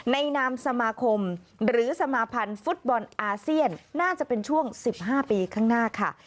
นามสมาคมหรือสมาพันธ์ฟุตบอลอาเซียนน่าจะเป็นช่วง๑๕ปีข้างหน้าค่ะ